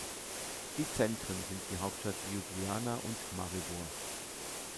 Die Zentren sind die Hauptstadt Ljubljana und Maribor.